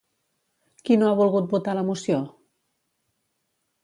Qui no ha volgut votar la moció?